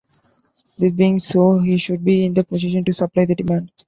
This being so, he should be in a position to supply the demand.